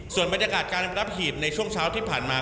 ส่วนบรรยากาศการรับหีบในช่วงเช้าที่ผ่านมา